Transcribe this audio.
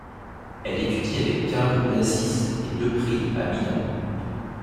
Elle étudie avec Carlo Blasis et Lepri à Milan.